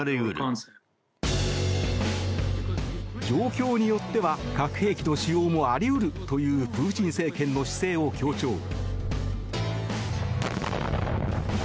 状況によっては核兵器の使用もあり得るというプーチン政権の姿勢を強調。